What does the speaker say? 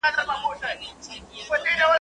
o گيدړي ته خپله لکۍ بلا سوه.